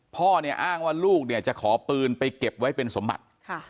พ่อเนี่ยอ้างว่าลูกเนี่ยจะขอปืนไปเก็บไว้เป็นสมบัติ